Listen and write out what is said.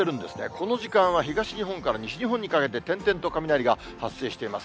この時間は東日本から西日本にかけて、点々と雷が発生してます。